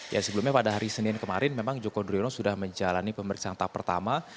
ya sebelumnya pada hari senin kemarin memang joko driono sudah menjalani pemeriksaan tahap pertama